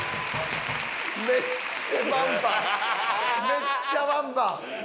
めっちゃワンバン。